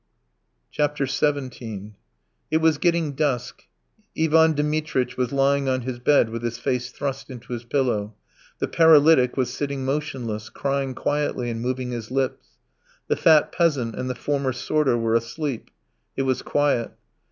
XVII It was getting dusk. Ivan Dmitritch was lying on his bed with his face thrust unto his pillow; the paralytic was sitting motionless, crying quietly and moving his lips. The fat peasant and the former sorter were asleep. It was quiet.